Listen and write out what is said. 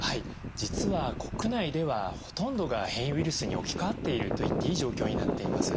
実は国内ではほとんどが変異ウイルスに置き換わっていると言っていい状況になっています。